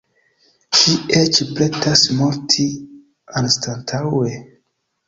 Ŝi eĉ pretas morti, anstataŭe.